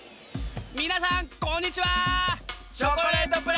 みなさんこんにちは！